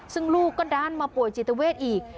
ซึ่งลูกก็ดันมาป่วยจิตเวทอีก